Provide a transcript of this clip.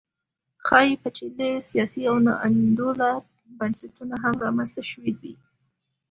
ښايي پېچلي سیاسي او ناانډوله بنسټونه هم رامنځته شوي وي